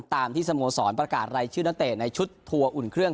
ตามที่สโมสรประกาศรายชื่อนักเตะในชุดทัวร์อุ่นเครื่อง